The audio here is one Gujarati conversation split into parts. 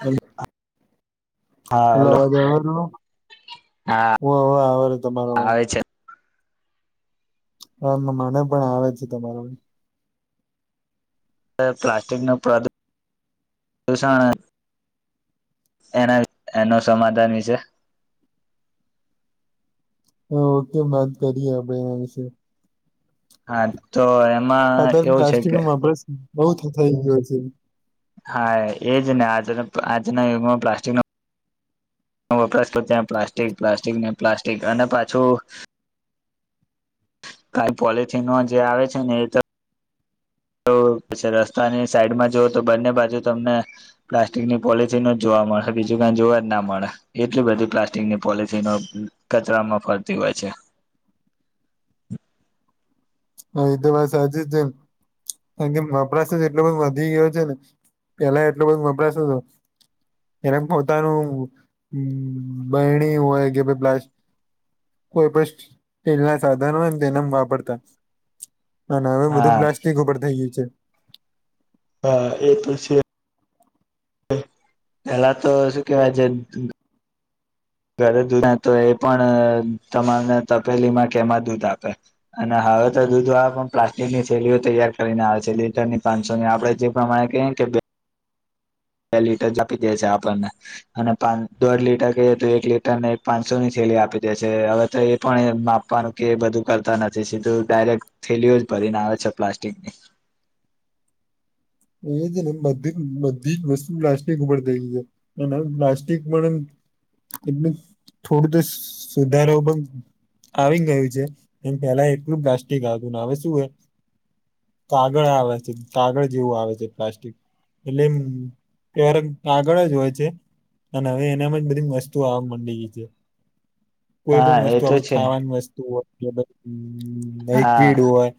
હલો હા હલો અવાજ હા [unintelligible] આવેર તમારામાં જ આવે છે હ મને પણ આવે છે, તમારો પ્લાસ્ટિક ના પ્ર પ્રદુષણ એના એનો સમાધાન વિશે [unintelligible] ઓકે વાત કરીએ આપણેે એના વિશે હા તો એમ અત્યારે પ્લાસ્ટિક નું વપરસ બઉ થઈ ગયો છે, હા, એજ ને આજ આજના યુગમાં પ્લાસ્ટિક ન હ વપરાશ તો ત્યાં પ્લાસ્ટિક પ્લાસ્ટિક ને પ્લાસ્ટિક અને પાછું કઈ પોલથીનમાં જે આવે છે ને એ તો તો પ રસ્તાની સાઈડમાં જોઓ તો બંને બાજુ તમને પ્લાસ્ટિકની પોલિસી ન જોવા, મળ બીજું કાઈ જોવા જ ના મળે એટલી બધી પ્લાસ્ટિકની પોલથનો કચરામાં ફરતી હોય છે. [unintelligible] હા એ તો વા સાજ જ છે, કારણ કે વપરાશ જ એટલો બધ વધી ગયો છે ને પેલા એટલો બ વપરાશ જ એનેમ પોતાનું બહેણી હોય કે ભાઈ પ્લાસ કોઈ પણ તેલ ના સાધન હોય, ને તેને વાપરતા ના ના હવે બધું હા પ્લાસ્ટિક ઉપર થઈ ગયું છે. હા એ તો છે, પેલા તો શું કેવાય છે, ઘરે દૂધ ના તો એ પણ તમામને તપેલી માં કેમાં દૂધ આપે અને હવે દૂધ વાળા પણ પ્લાસ્ટિકની થેલીઓ તૈયાર કરીને આવે છે લીટર ની પાંન સો ની આપણે જે પ્રમાણે કહીએ કે બે લીટર જ આપી દે છે આપણને અને પાન દોઢ લીટર કહીએ તો એક લીટર ને એક પાંનસો ની આપી દે છે હવે તો એ પણ માપવાનું કે એ બધું કરતા નથી સીધું ડાયરેક્ટ થેલી ઓ જ ભર ભરીને ને આવે છે પ્લાસ્ટિકની ધીરે ધીરે બધી બધી જ વસ્તુ પ્લાસ્ટિક ઉપર ગઈ એ અને પ્લાસ્ટિક પણ એટલે થોડું તો સુધારા પણ આવી ગયું છે એમ પેલા એકલૂ પ્લાસ્ટ્ટિક આવતું ને અવે શું હ કાગળ આવે છે કાગળ જેવું આવે. પ્લાસ્ટિક એટલે ક્યારે કાગળ જ હોય છે. ના ના હવે એનામાં બધી વસ્તુ આવા મડી છે. કોઈ હા પણ એ વસ્તુ તો આમ છે ખાવાની વસ્તુ હોય કે પછી હા લીકવીડ હોય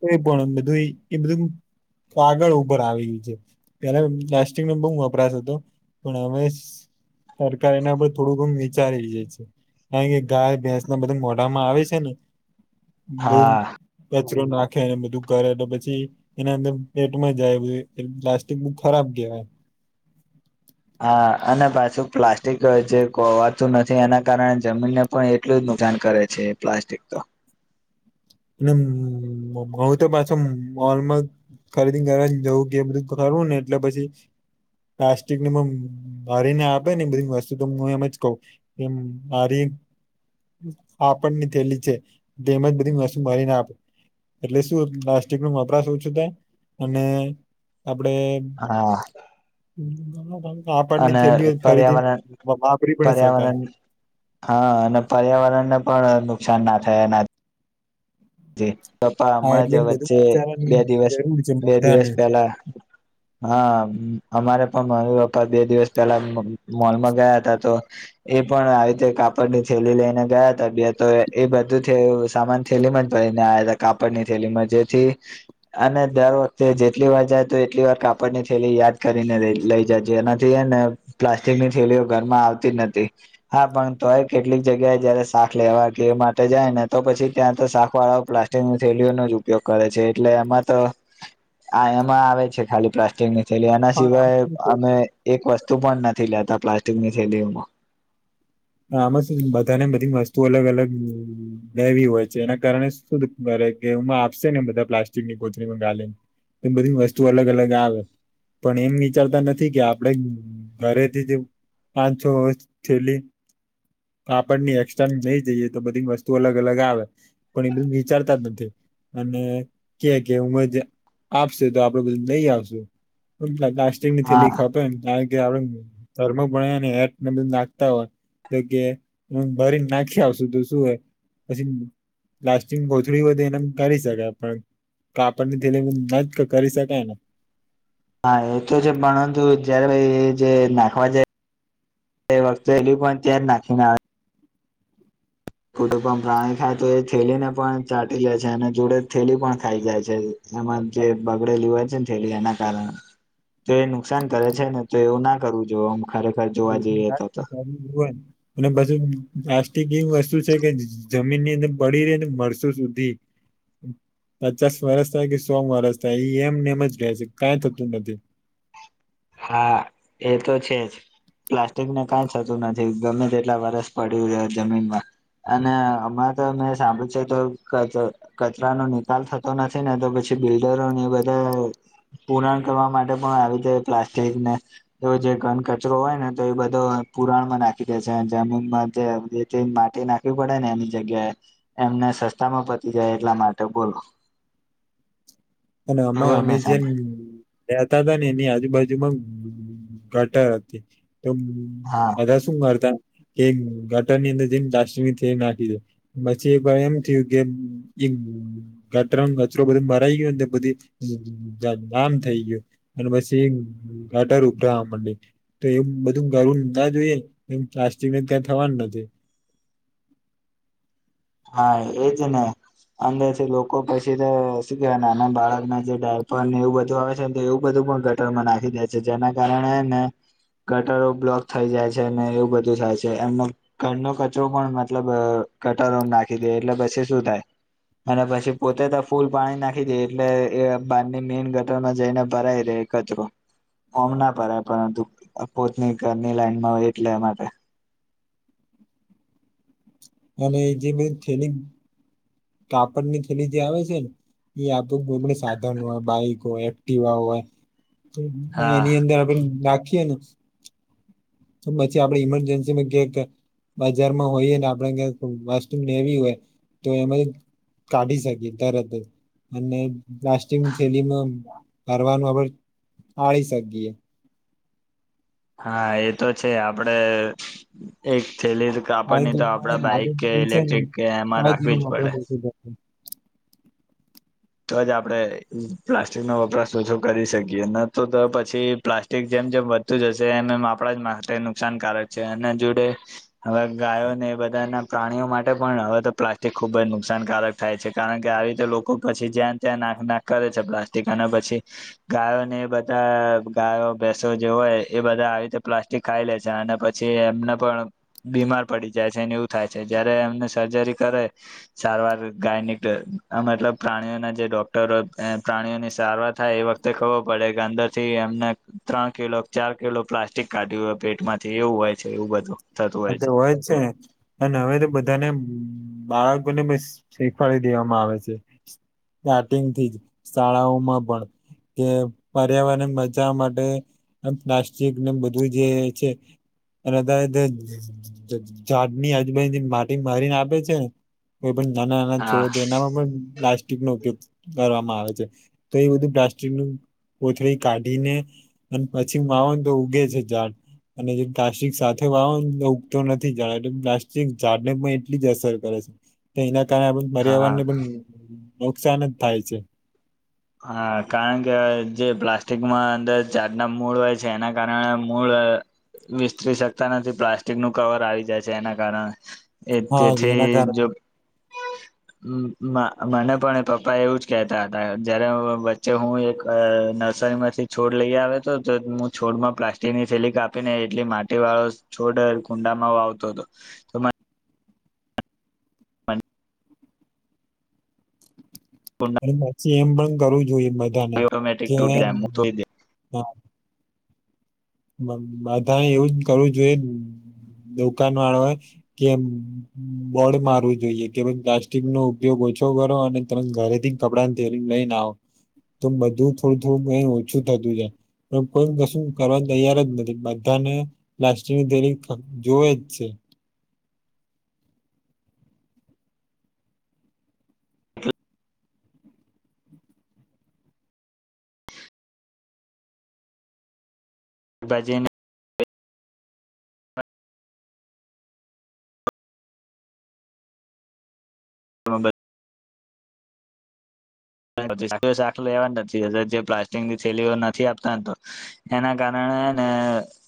કોઈ પણ એ બધું એ બધું કાગળ ઉપર આવી ગયું છે પેલા પ્લાસ્ટિક નો બો વપરાશ હતો પણ હવે સરકાર એના પર થોડુ ઘણું વિચારી રહી છે. કારણ કે ગાય, ભેંસ ને બધૂ મોઢામાં આવે છે ને બધ હા કચરો નાખેને બધું કરે તો પછી એના અંદર પેટમાં જાય પ્લાસ્ટિક બ ખરાબ કહેવાય. હા અને પાછું પ્લાસ્ટિક જે કોવાતું નથી એના કારણે જમીનને પણ એટલું જ નુકસાન કરે છે પ્લાસ્ટિક તો અને હઉ તો પાછો મોલને ખરીદીને ઘરે જવું કે બધું કરવું ને એટલે પછી પ્લાસ્ટિક ને બધું લાવી ને આપે ને બધી વસ્તુ તો હું એમ જ કહ એમ હારી કાપડ ની થેલી છે જેમ જ બધી ભરી ને આપ એટલે શું પ્લાસ્ટિક નો વપરાશ ઓછો થાય અને અપ એટલે કાપડ ની અને થેલીઓ જ ફરીથી પર્યાવરણ વાપરી પણ શકાય પર્યાવરણ હા અને પર્યાવરણ ને પણ નુકસાન ના થાય આના પપ્પા હા હમણાં જ એટલે એમ બધું વચ્ચે વિચારવાની બે દિવસ જરૂર છે બે દિવસ બધાને પહેલા હા અમારે પણ મમ્મી, પપ્પા બે દિવસ પેલા મોલમાં ગયા હતા તો એ પણ આવી રીતે કાપડ ની થેલી લઈને ગયા હતા બે તો એ બધું અ સામાન થેલીમાં જ લય ને આયા તા કાપડ ની થેલી માં જેથી અને દર વખતે જેટલી વાર જાય તો એટલી વાર કાપડ કાપડ ની થેલી યાદ કરીને લઈ જાય છે જેનાથી છે ને પ્લાસ્ટિક ની થેલીઓ ઘરમાં આવતી જ નથી. હા પણ તોય કેટલીક જગ્યાએ જયારે શાક લેવા એ માટે જાય ને તો પછી ત્યાં તો શાક વાડો પલાસ્ટિક ની થેલીઓનો જ ઉપયોગ કરે છે એટલે એમાં તો આ એમાં આવે છે ખાલી પ્લાસ્ટિક ની થેલી એના હા, સિવાય આમાં શું છે અમે એક વસ્તુ વસતું પણ નથી લેતા પ્લાસ્ટિકની થેલી ઓમાં આમાં શું બધાને બધી વસ્તુ અલગ અલગ લેવી હોય છે એના કારણે શું એમાં આપશે ને બધા પ્લાસ્ટિક ની કોથડી માં ગાલી એમ બધી વસ્તુ અલગ અલગ આવે. પણ એમ વિચારતા નથી કે આપડે ઘરેથી જ પાંચ, છ વર્ષ છેલ્લી કાપડની એક્સ્ટ્રા લય જઈએ તો બધી વસ્તુ અલગ અલગ આવે પણ એ બધું વિચારતા જ નથી. અને કે કે ઉમજ આવશે તો આપડે જાય લય આવશું [unintelligible] થેલી હા ખપે કારણ કે આપડે ધર્મ [unintelligible] નાખતા હોય. કે હમમ ભરીને નાખયા આવશું તો શું હોય પછી લાસ્ટિંગ કોથળી હોય તો એનેમ કાઢી શકાય પણ કાપડની થેલી ન જ કરી શકાય ને. હા એ તો છે પરંતુ જયારે એ જે નાખવા જાય એ વખતે થેલી પણ ત્યાં જ નાખીને આવે. [unintelligible] પ્રાણી ખાય તો એ થેલી ને પણ ચાટી જાય છે અને જોડે થેલી પણ ખાઈ જાય છે. એમાં જે બગડેલી હોય છે ને થેલી એના કારણે તે નુકસાન કરે છે, ને તેઓ ના કરવું જો [unintelligible] [unintelligible] અને બધું પ્લાસ્ટિક ની વસ શું છે કે જ જમીન ની અંદર પડી રેને વરસો સુધી પચાસ વરસ થાય કે સો વરસ થાય ઈ એમને એમ જ રહેે છે, કાઈ થતું નથી. હા, એ તો છે જ. પ્લાસ્ટિક ને કાઈ થતું નથી, ગમે તેટલા વરસ પડ્યું રહે જમીનમાં. અને હમણા તો મેં સાંભળ્યું છે [unintelligible] કે કચ કચરા નો નિકાલ થતો નથી ને તો પછી છી બિલ્ડરોને એ બધા પૂરાણ કરવા માટે પણ આવી જા પ્લાસ્ટિકને, એવું જે ઘન કચરો હોય ને તો એ બધો પુરાણમાં નાખી દે છે આ જમીનમાં. જેમ તે જે માટી નાખવી પડે ને એની જગ્યાએ, એમને સસ્તા માં પતી જાય એટલા માટે [unintelligible] અને અમે એવું અમે મેં જેમ સાંભળ્યું રહેતા તા ને એની આજુબાજુમાં ગટર હતી. તો હા બધા શું કરતા કે ગટર ની અંદર જેમ [unintelligible] પછી એ ભાઈ એમ થયું કે ગટરમાં કચરો બધો ભરાય ગયો ન તે બધી જ જ આમ થઈ ગયું, અને પછી ગટર ઉભરાવા મંડી. તો એવ બધું કરવું ના જોઈએ અને પ્લાસ્ટિક ને ત્યાં થવાન નથી. હા એજ ને. અંદર થી લોકો પછી તો શું કેવા નાના બાળક ના જે ડાયપર ને એવું બધું આવે છે તે એવું બધું પણ ગટરમાં નાખી દે છે. જેના કારણે હે ને ગટરો બ્લોક થઈ જાય છે, ને એવું બધું થાય છે. એમનો ઘરનો કચરો પણ મતલબ અહ ખ ટરો માં નાખી દે એટલે પછી શું થાય? અને પછી પોતે તો ફૂલ પાણી નાખી દે એટલે એ બારની મેન ગટરમાં જઈને ભરાઈ રે એ કચરો. ઓમ ના ભરાય પરંતુ અહ પોતની ઘરની લાઈન માં હોય એટલે એ માટે અને જે બી થેલી કાપડની થેલી જે આવે છે ને એ [unintelligible] સાધન હોય, બાઈક હોય, એક્ટિવા હોય અને હા એની અંદર આપણે રાખીએ ને તો બચે આપડે ઈમરજન્સીની કે કે બજારમાં હોઈએ ને આપણે કેક વસ્તુ લેવી હોય તો એમાંય કાઢી શકીએ તરત જ. અને પ્લાસ્ટિકની થેલીમાં [unintelligible] આળી શકીએ. હા એ તો છે. આપડે એક થેલી જ કારણ કે કાપડની તો આપડા એમાં આદત બાઈક કે બનશે ને ઈલેક્ટ્રિક કે એમાં તો એનો રાખવી જ પડે. વપરાશ ઓછો થશે તો જ આપડે પ્લાસ્ટિક નો વપરાશ ઓછો કરી શકીએ. ન તો ત પછી પ્લાસ્ટિક જે મ જેમ વધતું જશે એમ એમ આપણા જ માટે નુકસાનકારક છે. એના જોડે હવે ગાયોને બધાના પ્રાણીઓ માટે પણ હવે તો પ્લાસ્ટિક ખુબ જ નુકસાનકારક થાય છે. કારણ કે આવી રીતે લોકો પછી જ્યાં ત્યાં નાખ-નાખ કરે છે પ્લાસ્ટિક‌, અને પછી ગાયો ને એ બધા ગાયો બેસવા જવાય હોય એ બધા આવી રીતે પ્લાસ્ટિક ખાઈ લે છે, અને પછી એમને પણ બીમાર પડી જાય. પછી એને એવું થાય છે, જયારે એમને સર્જરી કરે, સારવાર ગાયની ત અહ મતલબ પ્રાણીઓના જે ડોક્ટરો એ પ્રાણીઓની સારવાર થાય, એ વખતે ખબર પડે કે અંદર થી એમને ત્રણ કિલો ક ચાર કિલો પ્લાસ્ટિક કાઢ્યું હોય પેટમાંથી એવું હોય છે, એવું બધું. [unintelligible] તો હોય જ છે ને, અને હવે તો બધાને બાળકોને બસ શીખવાડી દેવામાં આવે છે. સ્ટાર્ટિંગ થીજ શાળાઓમાં પણ. કે પર્યાવરણ બચાવવા માટે આ પ્લાસ્ટિક ને બધું જે છે અને [unintelligible] જ જ ઝાડની આજુબાજની માટી મારીને આપે છે ને એ પણ નાના-નાના હા છોડો તો એનામાં પણ પ્લાસ્ટિક નો ઉપયોગ કરવામાં આવે છે, તો એ બધું પ્લાસ્ટિક નું કોથળી કાઢીને અને પછી માવ તો ઉગે છે. ઝાડ. અને જે તશિક સાથે વાવો ઉગતો નથી. જાણે એટલે પ્લાસ્ટિક ઝાડ ને પણ એટલી જ અસર કરે છે. તો એના હા પર્યાવરણ ને પણ નુકસાન જ થાય છે. હા કારણ કે જે પ્લાસ્ટિકમાં અંદર ચાટના મૂળ હોય છે એના કારણે મૂળ વિસ્તરી શકતા નથી. પ્લાસ્ટિક નું કવર આવી જાય છે એના કારણે. એ હા તેથી એના જો કારણે મને પણ પપ્પા એવું જ કેહતા હતા. જયારે વચ્ચે હું એક નર્સરી માંથી છોડ લઈ આવેયો હતો. હું છોડમાં પ્લાસ્ટિકની ફેલી કાપીને એટલી માટી વાળો છોડ કુંડામાં વાવતો હતો. [unintelligible] કુંડા અને પછી એમ પણ કરવું જોઈએ બધાને ઓટોમેટિક કે તૂટી હા બધા એવું જ કરવું જોઈએ. દુકાન વાળો કે બોડ મારવું જોઈએ કે ભ પ્લાસ્ટિક નો ઉપયોગ ઓછો કરો અને તમે ઘરે થી કપડા ને ધેરીને લઈને આવો. તો બધું થોડું-થોડું ઓછું થતું જાય પણ કોઈ કશું કરવા તૈયાર જ નથી બધાને પ્લાસ્ટંગની દેરી જોવે જ છે. બજેને હા બસ. ખલો લેવા નથી જે પ્લાસ્ટિકની થેલીઓ નથી આપતા તો એના કારણે હ ના